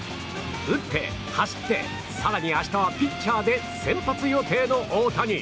打って走って更に明日はピッチャーで先発予定の大谷。